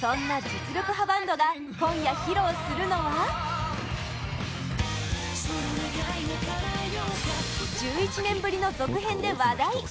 実力派バンドが今夜披露するのは１１年ぶりの続編で話題！